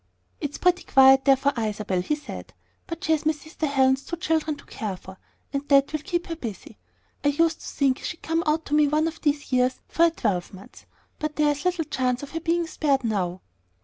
"It's pretty quiet there for Isabel," he said; "but she has my sister Helen's two children to care for, and that will keep her busy. I used to think she'd come out to me one of these years for a twelvemonth; but there's little chance of her being spared now."